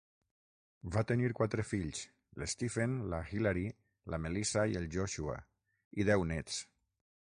Va tenir quatre fills (l'Stephen, la Hilary, la Melissa i el Joshua) i deu nets.